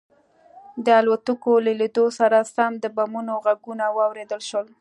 د الوتکو له لیدو سره سم د بمونو غږونه واورېدل شول